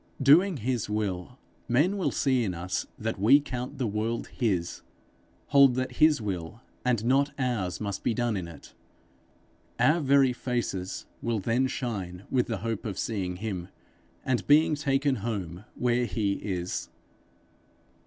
Doing his will, men will see in us that we count the world his, hold that his will and not ours must be done in it. Our very faces will then shine with the hope of seeing him, and being taken home where he is.